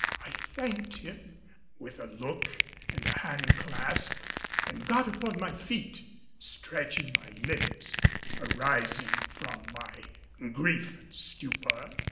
I thanked him with a look and a hand clasp and got upon my feet, stretching my limbs, arising from my grief stupor.